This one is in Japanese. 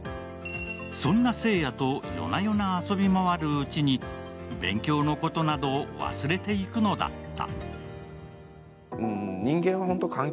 そんな聖也と夜な夜な遊び回るうちに勉強のことなど忘れていくのだった。